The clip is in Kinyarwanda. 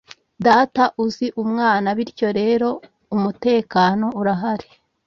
Data azi Umwana bityo rero umutekano urahari